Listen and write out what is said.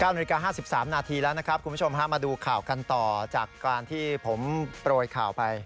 นาฬิกา๕๓นาทีแล้วนะครับคุณผู้ชมมาดูข่าวกันต่อจากการที่ผมโปรยข่าวไป